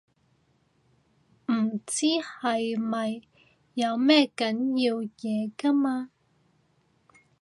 唔知係咪有咩緊要嘢㗎嘛